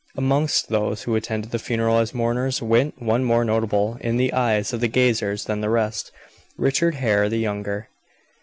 Amongst those who attended the funeral as mourners went one more notable in the eyes of the gazers than the rest Richard Hare the younger.